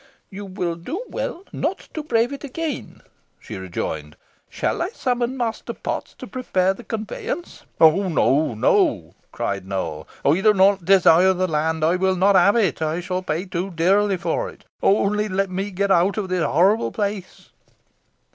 "You will do well not to brave it again," she rejoined. "Shall I summon Master Potts to prepare the conveyance?" "Oh! no no!" cried Nowell. "I do not desire the land. I will not have it. I shall pay too dearly for it. Only let me get out of this horrible place?"